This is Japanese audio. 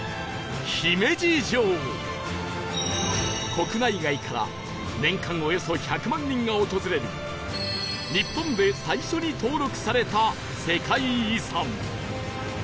国内外から年間およそ１００万人が訪れる日本で最初に登録された世界遺産